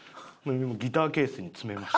ギターケースに詰めました。